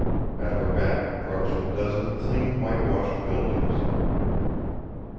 At her back crouched a dozen clean whitewashed buildings.